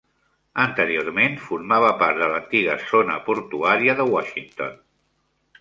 Anteriorment, formava part de l'antiga zona portuària de Washington.